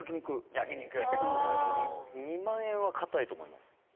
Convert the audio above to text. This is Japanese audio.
「焼肉」「２万円は、堅いと思います」